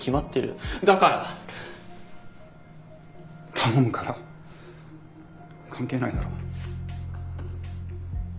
頼むから関係ないだろ。